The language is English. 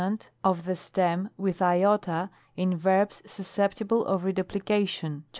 §77. of the stem with Iota in verbs susceptible of redupli cation (§48).